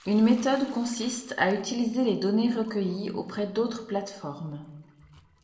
Une méthode consiste à utiliser les données recueillies auprès d’autres plates-formes.